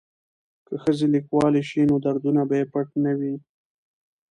که ښځې لیکوالې شي نو دردونه به یې پټ نه وي.